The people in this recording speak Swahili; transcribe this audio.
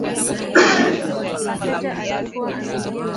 na tunaweza tukajua hata silaha sikitumika tunaweza tukajua silaha